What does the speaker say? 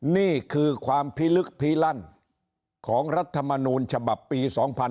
นี่คือความพิลึกพิลั่นของรัฐมนูลฉบับปี๒๕๕๙